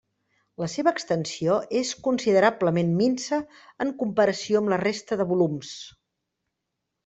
La seva extensió és considerablement minsa en comparació amb la resta de volums.